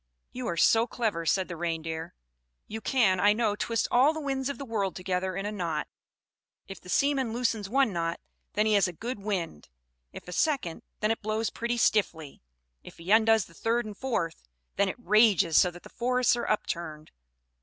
"You are so clever," said the Reindeer; "you can, I know, twist all the winds of the world together in a knot. If the seaman loosens one knot, then he has a good wind; if a second, then it blows pretty stiffly; if he undoes the third and fourth, then it rages so that the forests are upturned.